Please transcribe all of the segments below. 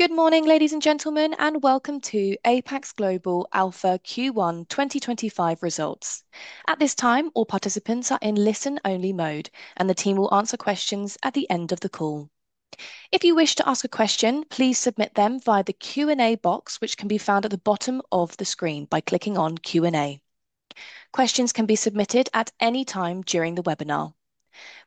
Good morning, ladies and gentlemen, and welcome to Apax Global Alpha Q1 2025 results. At this time, all participants are in listen-only mode, and the team will answer questions at the end of the call. If you wish to ask a question, please submit them via the Q&A box, which can be found at the bottom of the screen by clicking on Q&A. Questions can be submitted at any time during the webinar.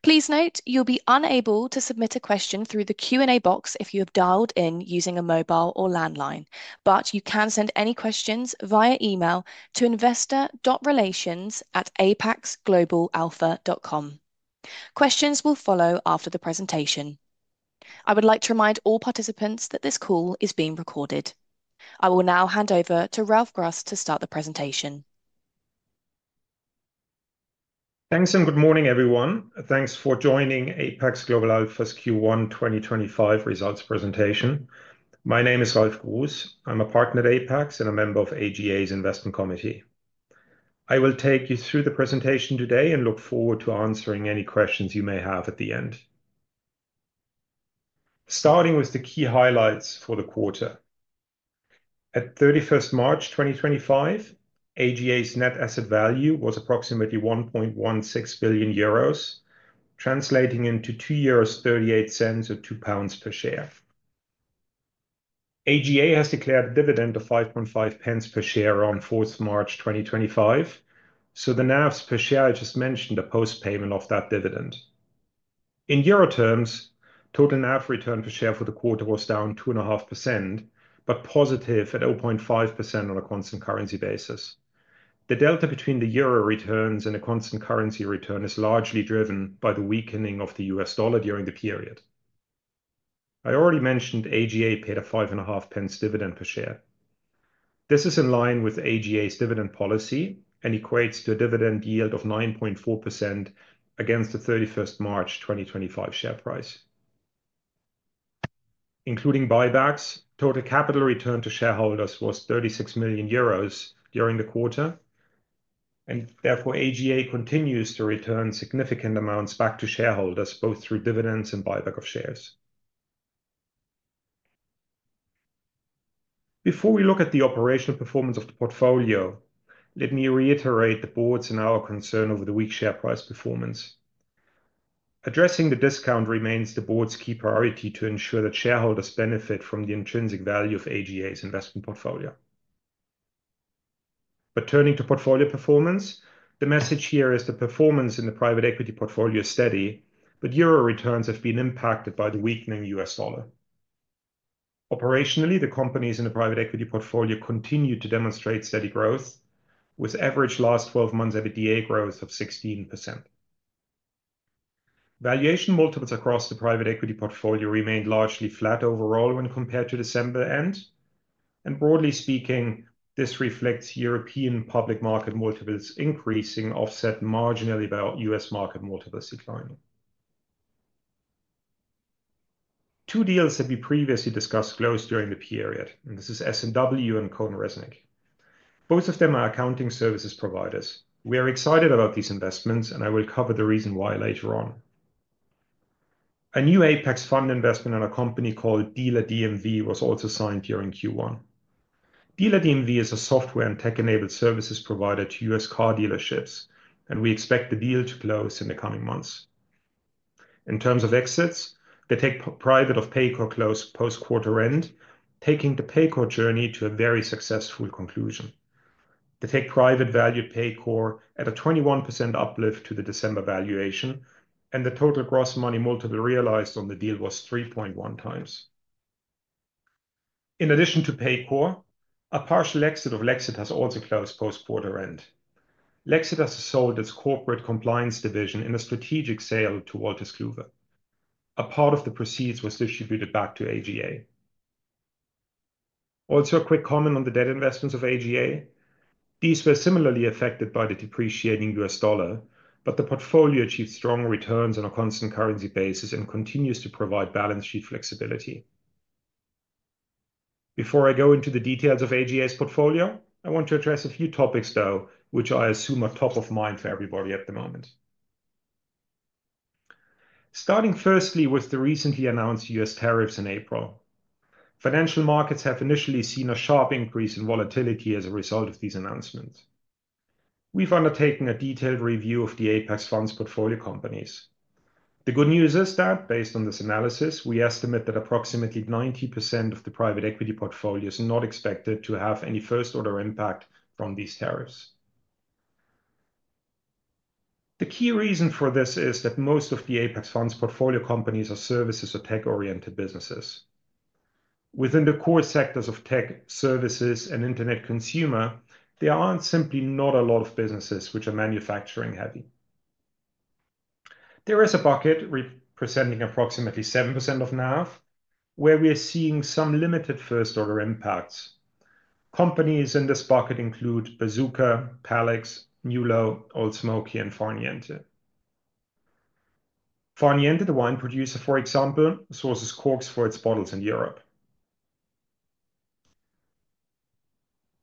Please note you'll be unable to submit a question through the Q&A box if you have dialed in using a mobile or landline, but you can send any questions via email to investor.relations@apaxglobalalpha.com. Questions will follow after the presentation. I would like to remind all participants that this call is being recorded. I will now hand over to Ralf Gruss to start the presentation. Thanks and good morning, everyone. Thanks for joining Apax Global Alpha's Q1 2025 results presentation. My name is Ralf Gruss. I'm a partner at Apax and a member of AGA's Investment Committee. I will take you through the presentation today and look forward to answering any questions you may have at the end. Starting with the key highlights for the quarter. At 31 March 2025, AGA's net asset value was approximately 1.16 billion euros, translating into 2.38 euros or 2 pounds per share. AGA has declared a dividend of 5.50 per share on 4 March 2025, so the NAV per share I just mentioned is a post-payment of that dividend. In euro terms, total NAV return per share for the quarter was down 2.5%, but positive at 0.5% on a constant currency basis. The delta between the euro returns and the constant currency return is largely driven by the weakening of the US dollar during the period. I already mentioned AGA paid a £5.50 dividend per share. This is in line with AGA's dividend policy and equates to a dividend yield of 9.4% against the 31 March 2025 share price. Including buybacks, total capital return to shareholders was 36 million euros during the quarter, and therefore AGA continues to return significant amounts back to shareholders, both through dividends and buyback of shares. Before we look at the operational performance of the portfolio, let me reiterate the board's and our concern over the weak share price performance. Addressing the discount remains the board's key priority to ensure that shareholders benefit from the intrinsic value of AGA's investment portfolio. Turning to portfolio performance, the message here is that performance in the private equity portfolio is steady, but euro returns have been impacted by the weakening US dollar. Operationally, the companies in the private equity portfolio continue to demonstrate steady growth, with average last twelve months at a D/A growth of 16%. Valuation multiples across the private equity portfolio remained largely flat overall when compared to December end, and broadly speaking, this reflects European public market multiples increasing offset marginally by US market multiples declining. Two deals that we previously discussed closed during the period, and this is S&W and CohnReznick. Both of them are accounting services providers. We are excited about these investments, and I will cover the reason why later on. A new Apax Fund investment at a company called Dealer DMV was also signed during Q1. Dealer DMV is a software and tech-enabled services provider to US car dealerships, and we expect the deal to close in the coming months. In terms of exits, the tech private of Paycor closed post-quarter end, taking the Paycor journey to a very successful conclusion. The tech private valued Paycor at a 21% uplift to the December valuation, and the total gross money multiple realized on the deal was 3.1 times. In addition to Paycor, a partial exit of Lexitas has also closed post-quarter end. Lexitas has sold its corporate compliance division in a strategic sale to Walter Schluter. A part of the proceeds was distributed back to AGA. Also, a quick comment on the debt investments of AGA. These were similarly affected by the depreciating US dollar, but the portfolio achieved strong returns on a constant currency basis and continues to provide balance sheet flexibility. Before I go into the details of AGA's portfolio, I want to address a few topics, though, which I assume are top of mind for everybody at the moment. Starting firstly with the recently announced US tariffs in April, financial markets have initially seen a sharp increase in volatility as a result of these announcements. We've undertaken a detailed review of the Apax Funds' portfolio companies. The good news is that, based on this analysis, we estimate that approximately 90% of the private equity portfolio is not expected to have any first-order impact from these tariffs. The key reason for this is that most of the Apax Funds' portfolio companies are services or tech-oriented businesses. Within the core sectors of tech, services, and internet consumer, there are simply not a lot of businesses which are manufacturing-heavy. There is a bucket representing approximately 7% of NAV, where we are seeing some limited first-order impacts. Companies in this bucket include Bazooka, Palex, Newlow, Old Smoky, and Farniente. Farniente, the wine producer, for example, sources corks for its bottles in Europe.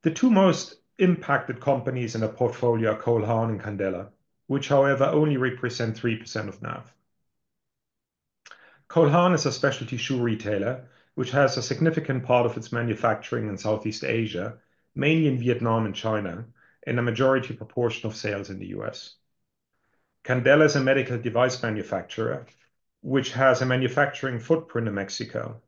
The two most impacted companies in the portfolio are Cole Haan and Candela, which, however, only represent 3% of NAV. Cole Haan is a specialty shoe retailer, which has a significant part of its manufacturing in Southeast Asia, mainly in Vietnam and China, and a majority proportion of sales in the U.S. Candela is a medical device manufacturer, which has a manufacturing footprint in Mexico.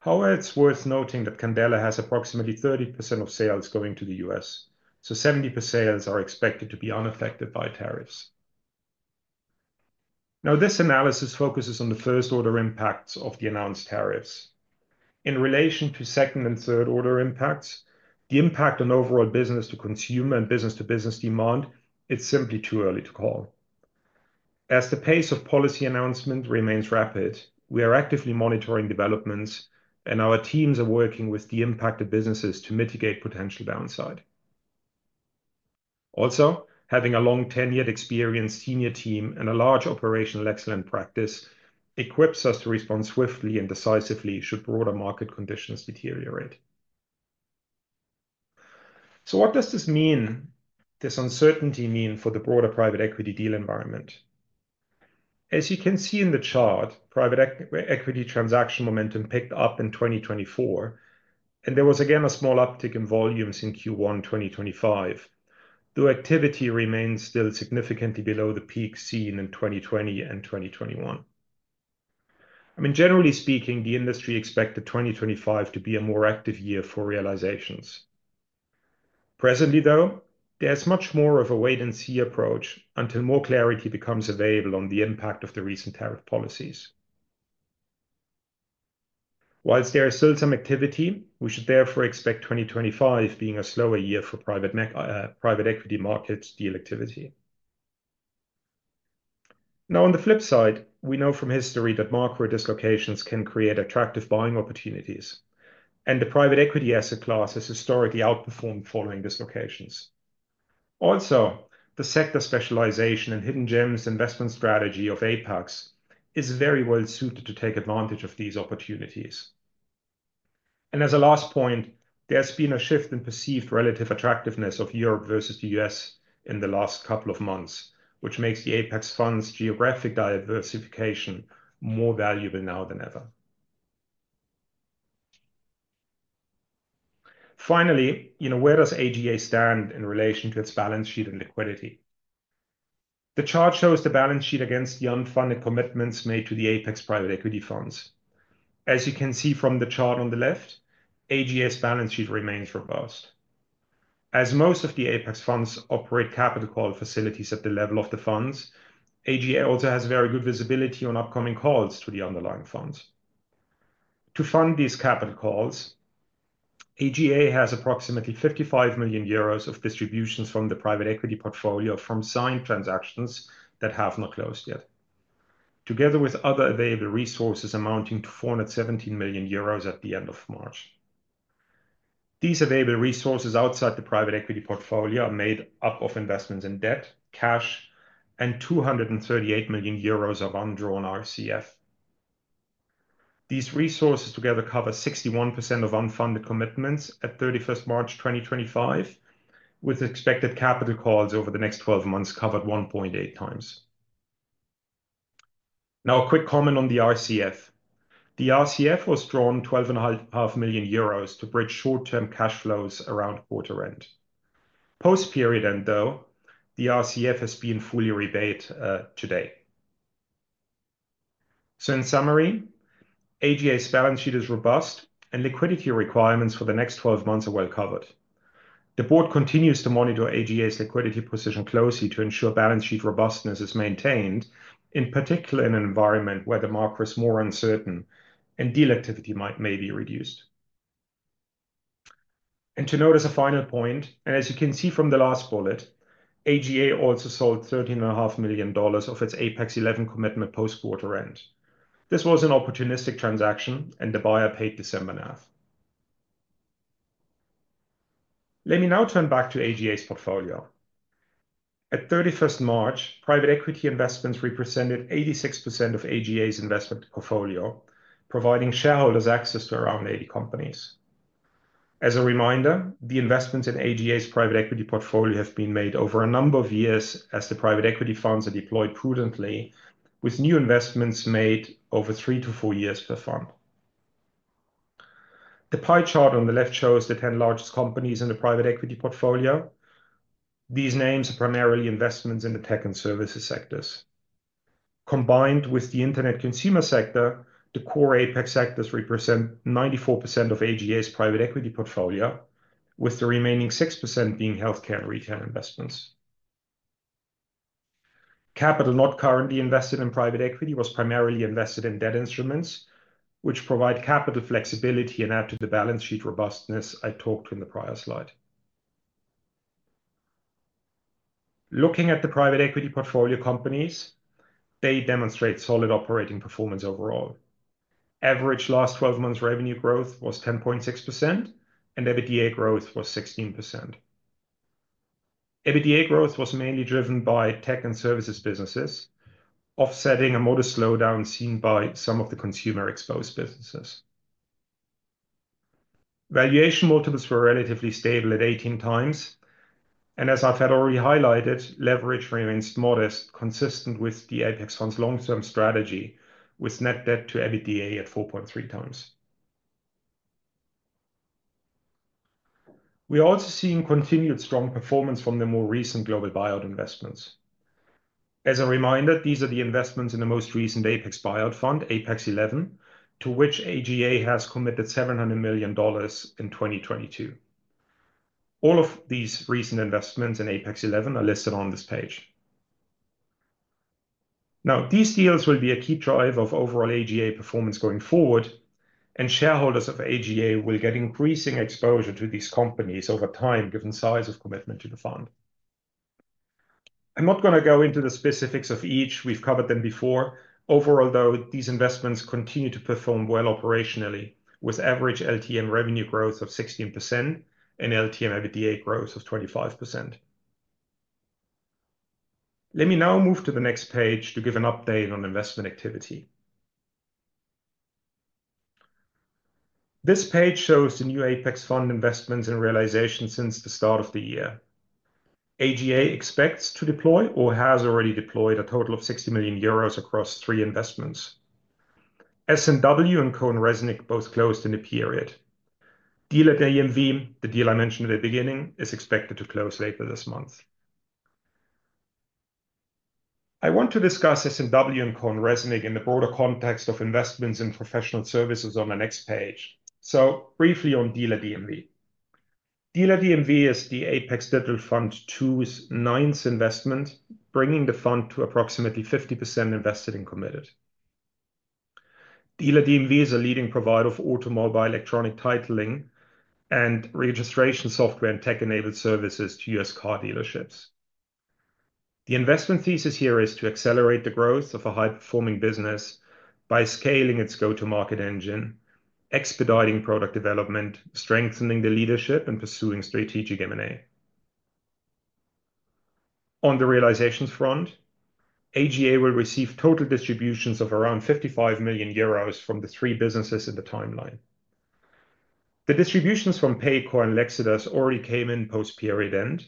However, it's worth noting that Candela has approximately 30% of sales going to the U.S., so 70% of sales are expected to be unaffected by tariffs. Now, this analysis focuses on the first-order impacts of the announced tariffs. In relation to second and third-order impacts, the impact on overall business-to-consumer and business-to-business demand, it's simply too early to call. As the pace of policy announcement remains rapid, we are actively monitoring developments, and our teams are working with the impacted businesses to mitigate potential downside. Also, having a long 10-year experienced senior team and a large operational excellence practice equips us to respond swiftly and decisively should broader market conditions deteriorate. What does this mean, this uncertainty mean for the broader private equity deal environment? As you can see in the chart, private equity transaction momentum picked up in 2024, and there was again a small uptick in volumes in Q1 2025. Though activity remains still significantly below the peak seen in 2020 and 2021. I mean, generally speaking, the industry expected 2025 to be a more active year for realizations. Presently, though, there's much more of a wait-and-see approach until more clarity becomes available on the impact of the recent tariff policies. Whilst there is still some activity, we should therefore expect 2025 being a slower year for private equity markets deal activity. Now, on the flip side, we know from history that macro dislocations can create attractive buying opportunities, and the private equity asset class has historically outperformed following dislocations. Also, the sector specialization and hidden gems investment strategy of Apax is very well suited to take advantage of these opportunities. As a last point, there's been a shift in perceived relative attractiveness of Europe versus the U.S. in the last couple of months, which makes the Apax Funds' geographic diversification more valuable now than ever. Finally, you know, where does AGA stand in relation to its balance sheet and liquidity? The chart shows the balance sheet against the unfunded commitments made to the Apax Private Equity Funds. As you can see from the chart on the left, AGA's balance sheet remains robust. As most of the Apax Funds operate capital call facilities at the level of the funds, AGA also has very good visibility on upcoming calls to the underlying funds. To fund these capital calls, AGA has approximately €55 million of distributions from the private equity portfolio from signed transactions that have not closed yet, together with other available resources amounting to €417 million at the end of March. These available resources outside the private equity portfolio are made up of investments in debt, cash, and €238 million of undrawn RCF. These resources together cover 61% of unfunded commitments at 31 March 2025, with expected capital calls over the next 12 months covered 1.8 times. Now, a quick comment on the RCF. The RCF was drawn 12.5 million euros to bridge short-term cash flows around quarter end. Post-period end, though, the RCF has been fully repaid today. In summary, AGA's balance sheet is robust, and liquidity requirements for the next 12 months are well covered. The board continues to monitor AGA's liquidity position closely to ensure balance sheet robustness is maintained, in particular in an environment where the market is more uncertain and deal activity might be reduced. To note as a final point, and as you can see from the last bullet, AGA also sold $13.5 million of its Apax 11 commitment post-quarter end. This was an opportunistic transaction, and the buyer paid December NAV. Let me now turn back to AGA's portfolio. At 31 March, private equity investments represented 86% of AGA's investment portfolio, providing shareholders access to around 80 companies. As a reminder, the investments in AGA's private equity portfolio have been made over a number of years as the private equity funds are deployed prudently, with new investments made over three to four years per fund. The pie chart on the left shows the 10 largest companies in the private equity portfolio. These names are primarily investments in the tech and services sectors. Combined with the internet consumer sector, the core Apax sectors represent 94% of AGA's private equity portfolio, with the remaining 6% being healthcare and retail investments. Capital not currently invested in private equity was primarily invested in debt instruments, which provide capital flexibility and add to the balance sheet robustness I talked to in the prior slide. Looking at the private equity portfolio companies, they demonstrate solid operating performance overall. Average last 12 months revenue growth was 10.6%, and EBITDA growth was 16%. EBITDA growth was mainly driven by tech and services businesses, offsetting a modest slowdown seen by some of the consumer exposed businesses. Valuation multiples were relatively stable at 18 times, and as I have already highlighted, leverage remains modest, consistent with the Apax Funds' long-term strategy, with net debt to EBITDA at 4.3 times. We are also seeing continued strong performance from the more recent global buyout investments. As a reminder, these are the investments in the most recent Apax Buyout Fund, Apax 11, to which AGA has committed $700 million in 2022. All of these recent investments in Apax 11 are listed on this page. Now, these deals will be a key driver of overall AGA performance going forward, and shareholders of AGA will get increasing exposure to these companies over time, given the size of commitment to the fund. I'm not going to go into the specifics of each. We've covered them before. Overall, though, these investments continue to perform well operationally, with average LTM revenue growth of 16% and LTM EBITDA growth of 25%. Let me now move to the next page to give an update on investment activity. This page shows the new Apax Fund investments and realizations since the start of the year. AGA expects to deploy or has already deployed a total of 60 million euros across three investments. S&W and CohnReznick both closed in the period. Dealer DMV, the deal I mentioned at the beginning, is expected to close later this month. I want to discuss S&W and CohnReznick in the broader context of investments in professional services on the next page. Briefly on Dealer DMV. Dealer DMV is the Apax Digital Fund II's ninth investment, bringing the fund to approximately 50% invested and committed. Dealer DMV is a leading provider of automobile electronic titling and registration software and tech-enabled services to US car dealerships. The investment thesis here is to accelerate the growth of a high-performing business by scaling its go-to-market engine, expediting product development, strengthening the leadership, and pursuing strategic M&A. On the realizations front, Apax Global Alpha will receive total distributions of around 55 million euros from the three businesses in the timeline. The distributions from Paycor and Lexitas already came in post-period end,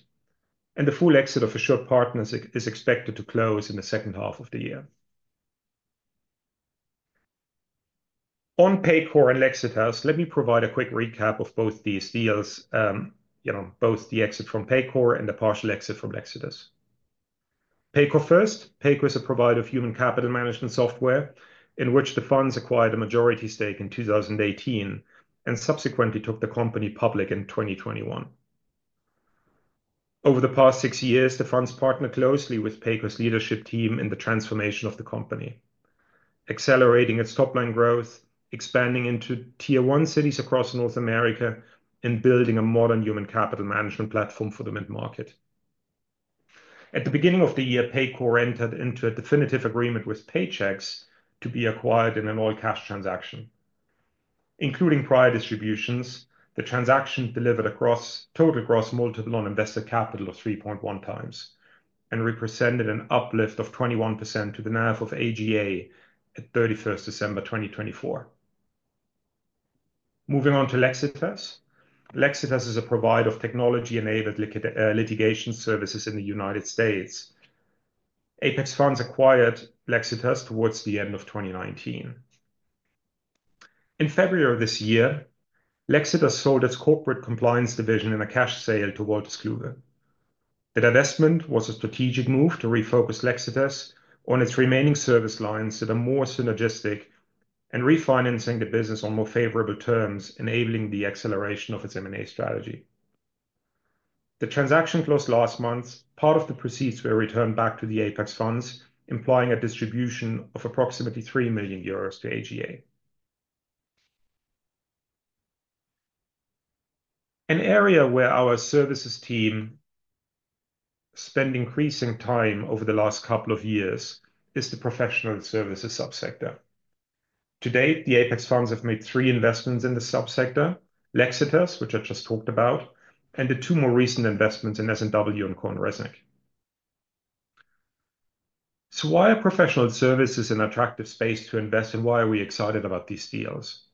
and the full exit of Assured Partners is expected to close in the second half of the year. On Paycor and Lexitas, let me provide a quick recap of both these deals, you know, both the exit from Paycor and the partial exit from Lexitas. Paycore first, Paycore is a provider of human capital management software in which the funds acquired a majority stake in 2018 and subsequently took the company public in 2021. Over the past six years, the funds partnered closely with Paycore's leadership team in the transformation of the company, accelerating its top-line growth, expanding into tier one cities across North America, and building a modern human capital management platform for the mid-market. At the beginning of the year, Paycore entered into a definitive agreement with Paychex to be acquired in an all-cash transaction. Including prior distributions, the transaction delivered a total gross multiple on investor capital of 3.1 times and represented an uplift of 21% to the NAV of AGA at 31 December 2024. Moving on to Lexitas, Lexitas is a provider of technology-enabled litigation services in the United States. Apax Funds acquired Lexitas towards the end of 2019. In February of this year, Lexitas sold its corporate compliance division in a cash sale to Wolters Kluwer. The divestment was a strategic move to refocus Lexitas on its remaining service lines that are more synergistic and refinancing the business on more favorable terms, enabling the acceleration of its M&A strategy. The transaction closed last month. Part of the proceeds were returned back to the Apax Funds, implying a distribution of approximately 3 million euros to AGA. An area where our services team spend increasing time over the last couple of years is the professional services subsector. To date, the Apax Funds have made three investments in the subsector: Lexitas, which I just talked about, and the two more recent investments in S&W and CohnReznick. Why are professional services an attractive space to invest, and why are we excited about these deals?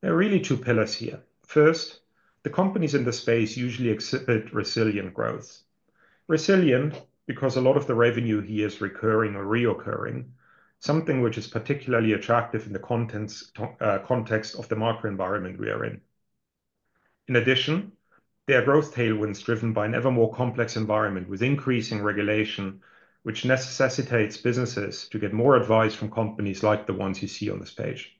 There are really two pillars here. First, the companies in the space usually exhibit resilient growth. Resilient because a lot of the revenue here is recurring or reoccurring, something which is particularly attractive in the context of the macro environment we are in. In addition, there are growth tailwinds driven by an ever more complex environment with increasing regulation, which necessitates businesses to get more advice from companies like the ones you see on this page.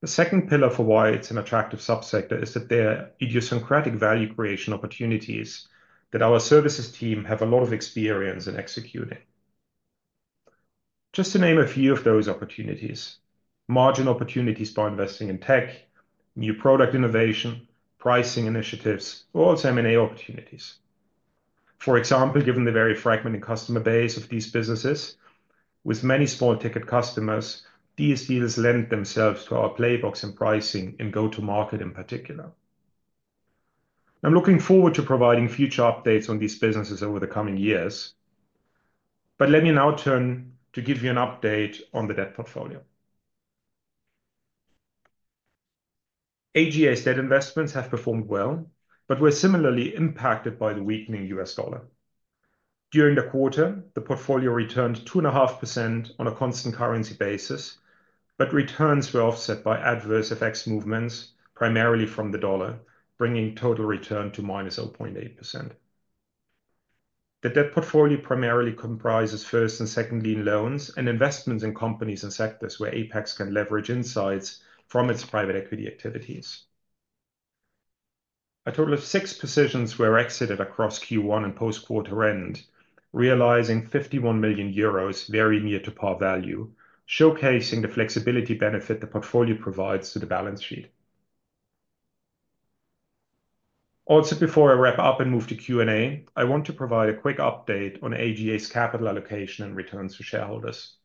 The second pillar for why it's an attractive subsector is that there are idiosyncratic value creation opportunities that our services team have a lot of experience in executing. Just to name a few of those opportunities: margin opportunities by investing in tech, new product innovation, pricing initiatives, or also M&A opportunities. For example, given the very fragmented customer base of these businesses with many small ticket customers, these deals lend themselves to our playbooks and pricing in go-to-market in particular. I'm looking forward to providing future updates on these businesses over the coming years, but let me now turn to give you an update on the debt portfolio. AGA's debt investments have performed well, but were similarly impacted by the weakening US dollar. During the quarter, the portfolio returned 2.5% on a constant currency basis, but returns were offset by adverse effects movements, primarily from the dollar, bringing total return to -0.8%. The debt portfolio primarily comprises first and second lien loans and investments in companies and sectors where Apax can leverage insights from its private equity activities. A total of six positions were exited across Q1 and post-quarter end, realizing 51 million euros, very near to par value, showcasing the flexibility benefit the portfolio provides to the balance sheet. Also, before I wrap up and move to Q&A, I want to provide a quick update on AGA's capital allocation and returns to shareholders.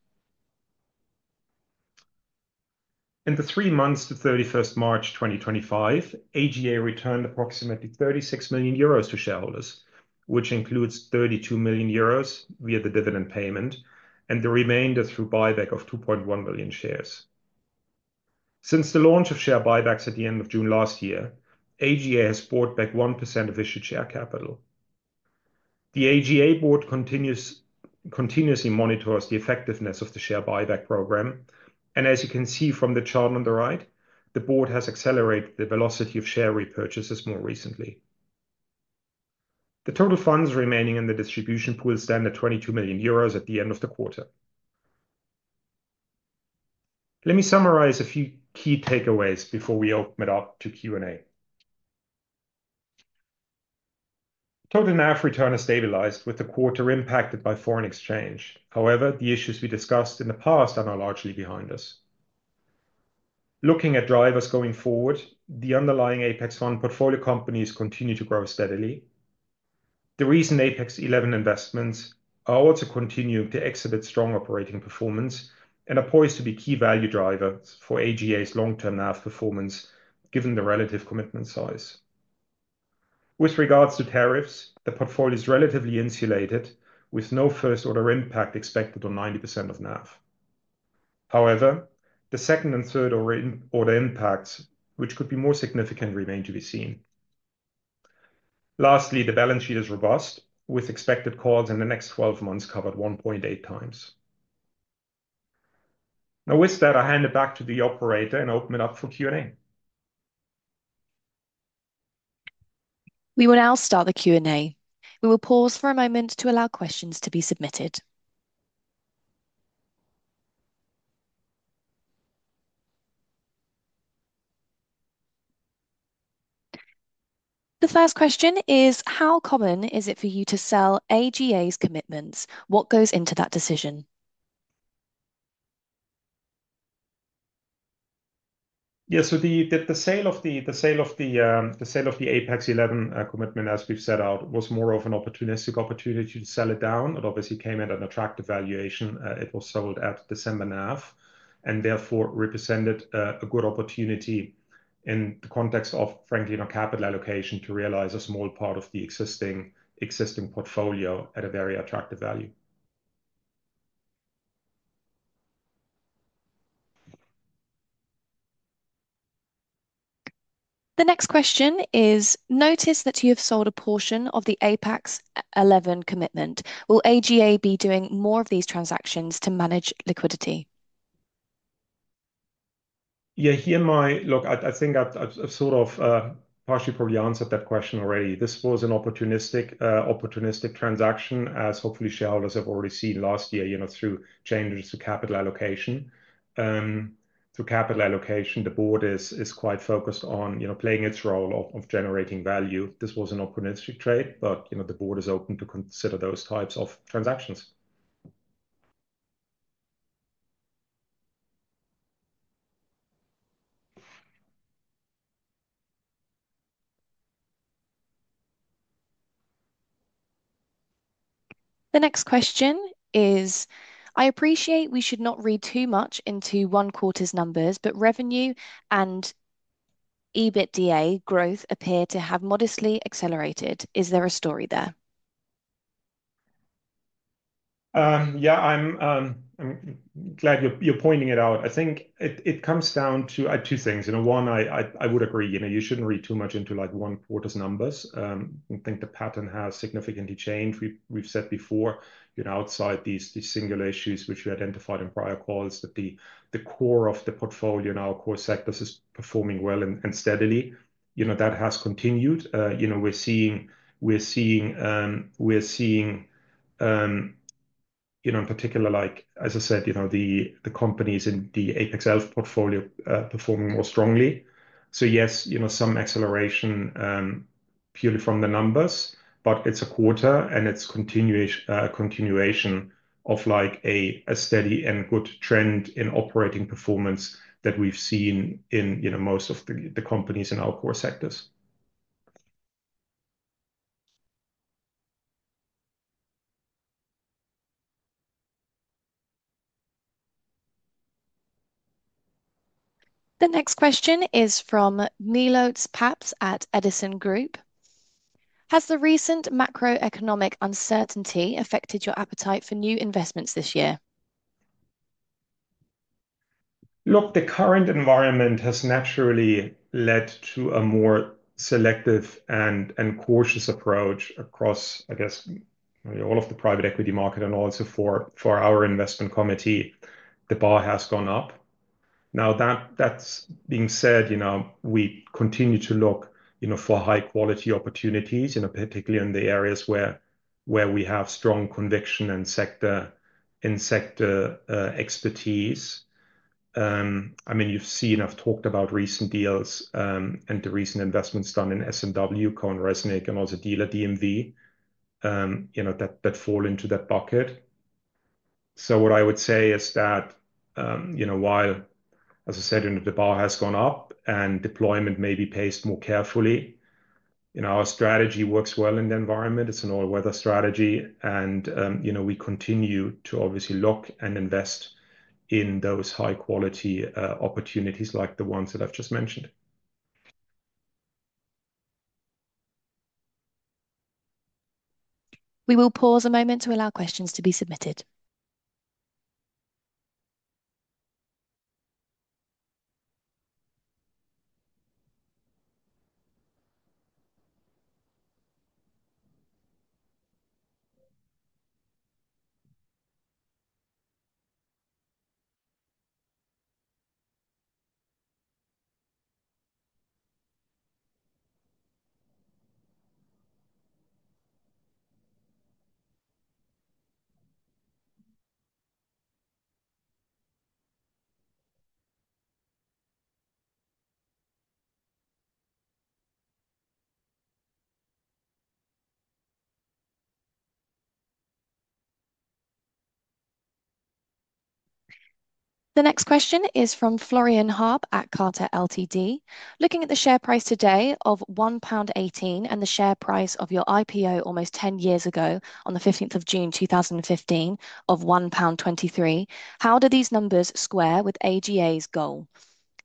In the three months to 31 March 2025, AGA returned approximately 36 million euros to shareholders, which includes 32 million euros via the dividend payment and the remainder through buyback of 2.1 million shares. Since the launch of share buybacks at the end of June last year, AGA has bought back 1% of issued share capital. The AGA board continuously monitors the effectiveness of the share buyback program, and as you can see from the chart on the right, the board has accelerated the velocity of share repurchases more recently. The total funds remaining in the distribution pool stand at 22 million euros at the end of the quarter. Let me summarize a few key takeaways before we open it up to Q&A. Total NAV return has stabilized, with the quarter impacted by foreign exchange. However, the issues we discussed in the past are now largely behind us. Looking at drivers going forward, the underlying Apax Fund portfolio companies continue to grow steadily. The recent Apax 11 investments are also continuing to exhibit strong operating performance and are poised to be key value drivers for AGA's long-term NAV performance, given the relative commitment size. With regards to tariffs, the portfolio is relatively insulated, with no first-order impact expected on 90% of NAV. However, the second and third-order impacts, which could be more significant, remain to be seen. Lastly, the balance sheet is robust, with expected calls in the next 12 months covered 1.8 times. Now, with that, I hand it back to the operator and open it up for Q&A. We will now start the Q&A. We will pause for a moment to allow questions to be submitted. The first question is, how common is it for you to sell AGA's commitments? What goes into that decision? Yeah, so the sale of the Apax 11 commitment, as we've set out, was more of an opportunistic opportunity to sell it down. It obviously came at an attractive valuation. It was sold at December NAV and therefore represented a good opportunity in the context of, frankly, no capital allocation to realize a small part of the existing portfolio at a very attractive value. The next question is, notice that you have sold a portion of the Apax 11 commitment. Will AGA be doing more of these transactions to manage liquidity? Yeah, here my, look, I think I've sort of partially probably answered that question already. This was an opportunistic transaction, as hopefully shareholders have already seen last year, you know, through changes to capital allocation. Through capital allocation, the board is quite focused on playing its role of generating value. This was an opportunistic trade, but you know, the board is open to consider those types of transactions. The next question is, I appreciate we should not read too much into one quarter's numbers, but revenue and EBITDA growth appear to have modestly accelerated. Is there a story there? Yeah, I'm glad you're pointing it out. I think it comes down to two things. You know, one, I would agree, you know, you shouldn't read too much into like one quarter's numbers. I think the pattern has significantly changed. We've said before, you know, outside these single issues which we identified in prior calls, that the core of the portfolio now, core sectors, is performing well and steadily. That has continued. We're seeing, in particular, like, as I said, you know, the companies in the Apax 11 portfolio performing more strongly. Yes, some acceleration purely from the numbers, but it's a quarter and it's a continuation of like a steady and good trend in operating performance that we've seen in most of the companies in our core sectors. The next question is from Niloot Pappes at Edison Group. Has the recent macroeconomic uncertainty affected your appetite for new investments this year? Look, the current environment has naturally led to a more selective and cautious approach across, I guess, all of the private equity market and also for our investment committee. The bar has gone up. Now, that being said, you know, we continue to look, you know, for high-quality opportunities, you know, particularly in the areas where we have strong conviction and sector and sector expertise. I mean, you've seen, I've talked about recent deals and the recent investments done in S&W, CohnReznick, and also Dealer DMV, you know, that fall into that bucket. What I would say is that, you know, while, as I said, you know, the bar has gone up and deployment may be paced more carefully, you know, our strategy works well in the environment. It's an all-weather strategy. You know, we continue to obviously look and invest in those high-quality opportunities like the ones that I've just mentioned. We will pause a moment to allow questions to be submitted. The next question is from Florian Harp at Carter LTD. Looking at the share price today of 1.18 pound and the share price of your IPO almost 10 years ago on the 15th of June 2015 of 1.23 pound, how do these numbers square with AGA's goal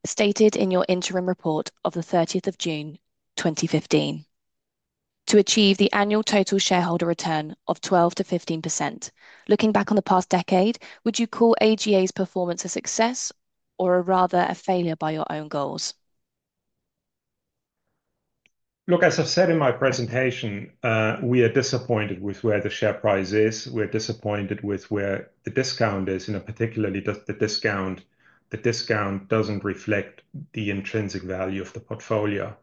stated in your interim report of the 30th of June 2015 to achieve the annual total shareholder return of 12-15%? Looking back on the past decade, would you call AGA's performance a success or rather a failure by your own goals? Look, as I've said in my presentation, we are disappointed with where the share price is. We're disappointed with where the discount is, and particularly the discount, the discount doesn't reflect the intrinsic value of the portfolio.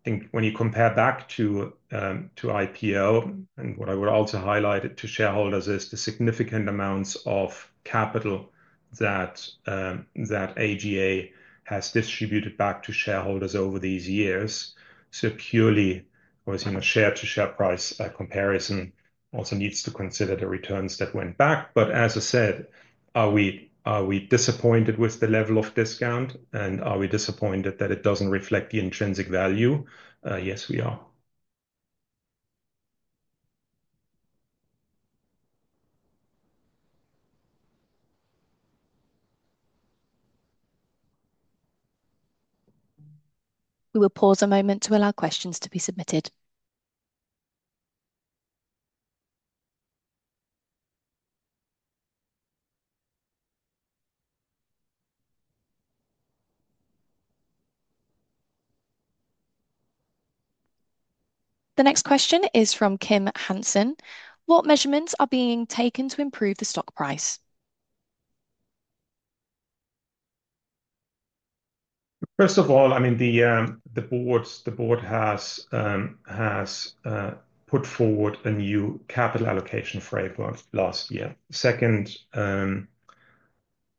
I think when you compare back to IPO and what I would also highlight to shareholders is the significant amounts of capital that AGA has distributed back to shareholders over these years. Purely, obviously, in a share-to-share price comparison, also needs to consider the returns that went back. As I said, are we disappointed with the level of discount and are we disappointed that it doesn't reflect the intrinsic value? Yes, we are. We will pause a moment to allow questions to be submitted. The next question is from Kim Hanson. What measurements are being taken to improve the stock price? First of all, I mean, the board has put forward a new capital allocation framework last year. Second,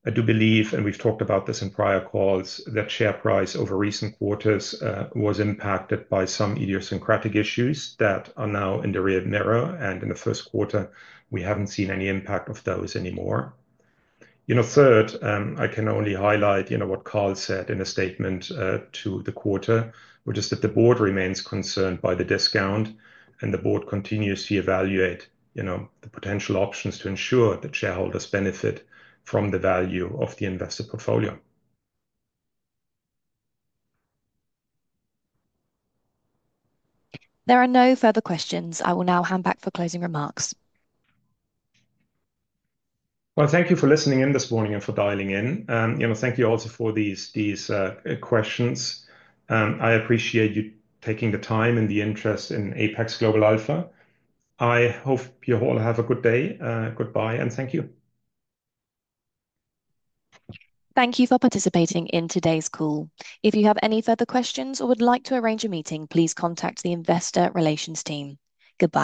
I do believe, and we've talked about this in prior calls, that share price over recent quarters was impacted by some idiosyncratic issues that are now in the rear mirror, and in the first quarter, we haven't seen any impact of those anymore. Third, I can only highlight, you know, what Carl said in a statement to the quarter, which is that the board remains concerned by the discount and the board continues to evaluate, you know, the potential options to ensure that shareholders benefit from the value of the investor portfolio. There are no further questions. I will now hand back for closing remarks. Thank you for listening in this morning and for dialing in. You know, thank you also for these questions. I appreciate you taking the time and the interest in Apax Global Alpha. I hope you all have a good day. Goodbye and thank you. Thank you for participating in today's call. If you have any further questions or would like to arrange a meeting, please contact the investor relations team. Goodbye.